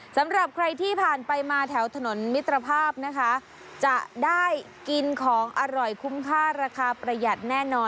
สำหรับใครที่ผ่านไปมาแถวถนนมิตรภาพนะคะจะได้กินของอร่อยคุ้มค่าราคาประหยัดแน่นอน